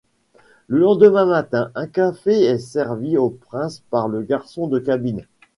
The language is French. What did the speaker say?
Le lendemain matin, un café est servi au prince par le garçon de cabine.